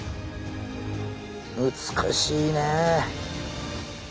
美しいねえ。